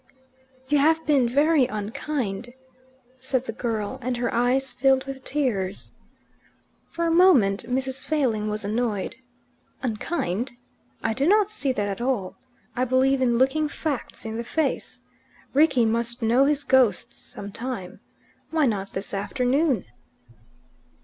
"You have been very unkind," said the girl, and her eyes filled with tears. For a moment Mrs. Failing was annoyed. "Unkind? I do not see that at all. I believe in looking facts in the face. Rickie must know his ghosts some time. Why not this afternoon?"